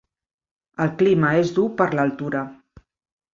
El clima és dur per l'altura.